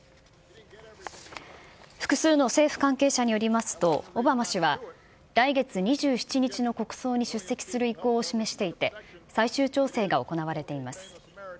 複数の政府関係者によりますと、オバマ氏は、来月２７日の国葬に出席する意向を示していて、最終調整が行われています。